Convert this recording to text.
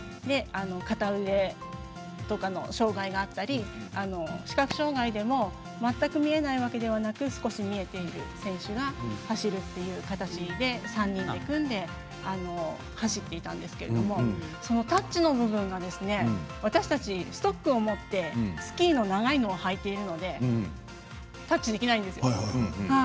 片腕とかの障がいがあったり視覚障がいでも全く見えないわけでもなく少し見えている選手が走るっていう形で３人で組んで走っていたんですけれどもそのタッチの部分が私たちストックを持ってスキーの長いのを履いているのでタッチできないんですよ。